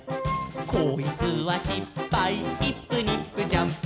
「こいつはしっぱいイップニップジャンプ」